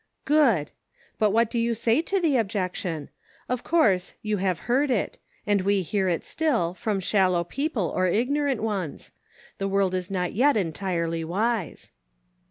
" Good ! But what do you say to the objection ? Of course you have heard it ; and we hear it still, from shallow people, or ignorant ones ; the world is not yet entirely wise."